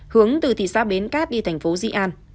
hướng từ thị xã bến cát đi thành phố di an